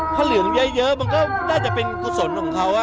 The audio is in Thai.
ถ้าเหลืองเยอะมันก็น่าจะเป็นกุศลของเขา